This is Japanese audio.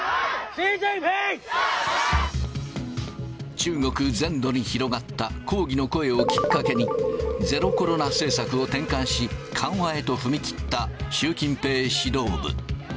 中国全土に広がった抗議の声をきっかけに、ゼロコロナ政策を転換し、緩和へと踏み切った習近平指導部。